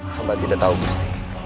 paman tidak tahu gusti